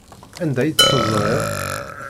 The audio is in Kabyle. Anda ay tt-teẓriḍ?